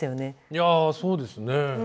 いやそうですね。